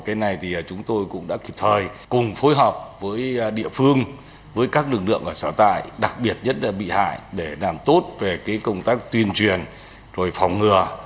cái này thì chúng tôi cũng đã kịp thời cùng phối hợp với địa phương với các lực lượng ở xã tại đặc biệt nhất là bị hại để làm tốt về công tác tuyên truyền rồi phòng ngừa